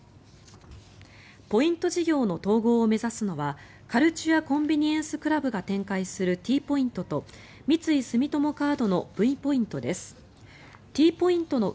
ポイント事業の統合を目指すのはカルチュア・コンビニエンス・クラブが展開するＴポイントと三井住友カードのＶポイントです。